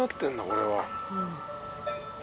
これは。